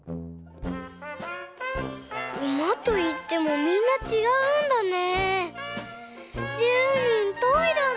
うまといってもみんなちがうんだね。